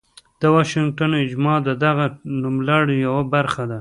د واشنګټن اجماع د دغه نوملړ یوه برخه ده.